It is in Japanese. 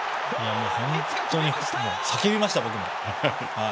本当に叫びました、僕も。